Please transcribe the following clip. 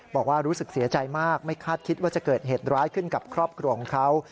บอกว่ารู้สึกเสียใจมากไม่คาดคิดว่าจะเกิดเหตุร้ายขึ้นกับครอบครัวของเขา